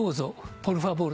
ポルファボール。